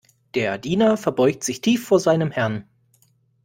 Der Diener verbeugt sich tief vor seinem Herrn.